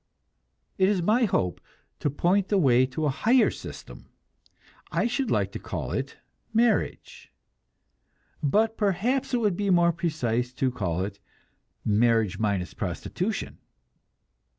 It is my hope to point the way to a higher system. I should like to call it marriage; but perhaps it would be more precise to call it marriage minus prostitution.